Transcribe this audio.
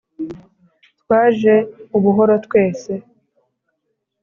twaje ubuhoro twese,